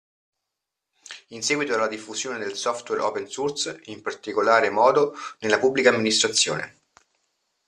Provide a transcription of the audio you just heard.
In seguito alla diffusione del software open source, in particolare modo nella Pubblica Amministrazione.